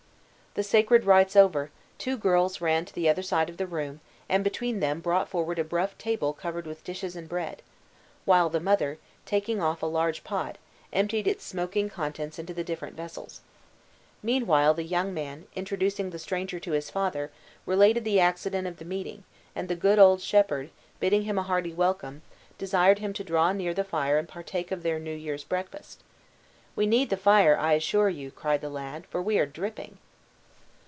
The sacred rites over, two girls ran to the other side of the room, and between them brought forward a rough table covered with dishes and bread; while the mother, taking off a large pot, emptied its smoking contents into the different vessels. Meanwhile the young man, introducing the stranger to his father, related the accident of the meeting, and the good old shepherd, bidding him a hearty welcome, desired him to draw near the fire and partake of their New year's breakfast. "We need the fire, I assure you," cried the lad, "for we are dripping."